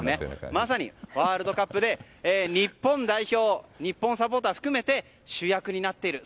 まさにワールドカップで日本代表日本サポーター含めて主役になっている。